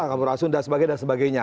sampurasun dan sebagainya dan sebagainya